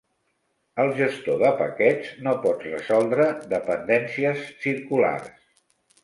El gestor de paquets no pot resoldre dependències circulars.